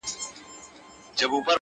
چي پر خوله به یې راتله هغه کېدله٫